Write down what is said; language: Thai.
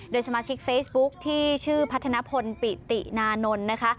โดยสมาชิกเฟซบุ๊คที่ชื่อพัฒนพลปิตินานนท์นะคะ